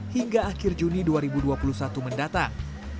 hingga akhir juni dua ribu dua puluh satu mendatang